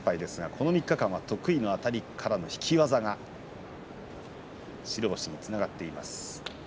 ここ３日間は得意のあたりから引き技、白星につながっています。